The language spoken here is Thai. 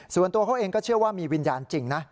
ส่วนตัวเขาเองก็เชื่อว่ามีวิญญาณจริงนะ